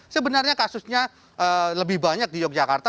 sebenarnya kasusnya lebih banyak di yogyakarta